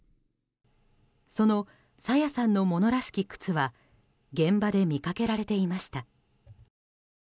その朝芽さんのものらしき靴は現場で見かけられていました。